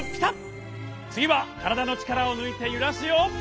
つぎはからだのちからをぬいてゆらすよ。